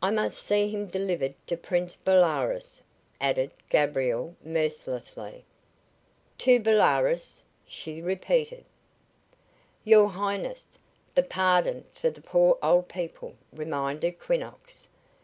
"I must see him delivered to Prince Bolaroz," added Gabriel mercilessly. "To Bolaroz," she repeated. "Your Highness, the pardon for the poor old people," reminded Quinnox.